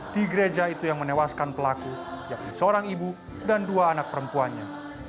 di gereja itu yang menewaskan pelaku yakni seorang ibu dan dua anak perempuannya